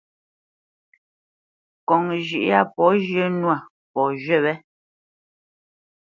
Ŋkɔŋ zhʉ̌ʼ yâ pɔ̌ zhyə̄ nwâ, pɔ̌ zhywí wé.